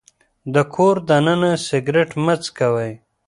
د کور دننه سګرټ مه څکوئ.